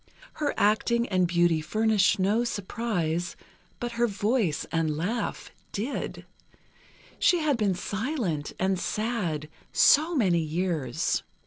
Her acting and beauty furnished no surprise, but her voice and laugh did; she had been silent, and sad, so many years.